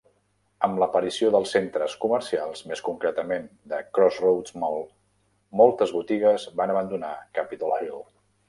Amb l'aparició dels centres comercials, més concretament de Crossroads Mall, moltes botigues van abandonar Capitol Hill.